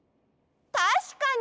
たしかに！